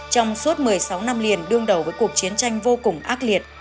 trong suốt một mươi sáu năm liền đương đầu với cuộc chiến tranh vô cùng ác liệt